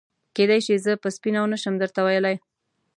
کېدای شي زه به سپینه ونه شم درته ویلای.